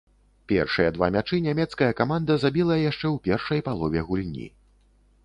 Першыя два мячы нямецкая каманда забіла яшчэ ў першай палове гульні.